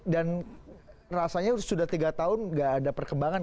dan rasanya sudah tiga tahun gak ada perkembangan